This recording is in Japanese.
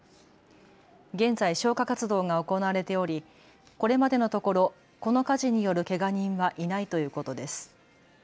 現在、消火活動が行われておりこれまでのところこの火事によるけが人はいないということです。